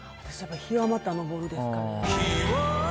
「陽はまた昇る」ですかね。